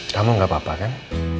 kamu gak apa apa kan